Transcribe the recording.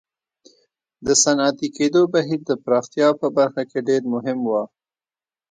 د صنعتي کېدو بهیر د پراختیا په برخه کې ډېر مهم و.